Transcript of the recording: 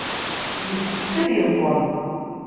Yessefk ad yeẓẓel.